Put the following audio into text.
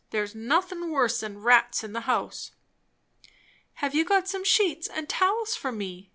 There's nothin' worse than rats in the house." "Have you some sheets and towels for me?"